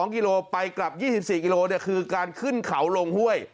กิโลไปกลับ๒๔กิโลคือการขึ้นเขาลงห้วย